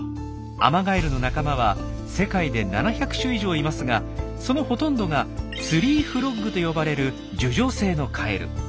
アマガエルの仲間は世界で７００種以上いますがそのほとんどが「ＴＲＥＥＦＲＯＧ」と呼ばれる樹上性のカエル。